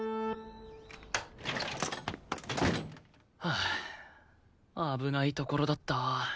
はあ危ないところだった。